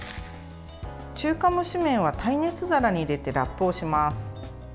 中華蒸し麺は耐熱皿に入れてラップをします。